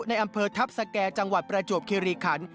ในอำเภอทัพสแก่จังหวัดประจวบคิริขัน